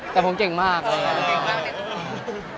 แต่ผมเก่งมากเลย